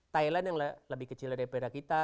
thailand yang lebih kecil dari pira kita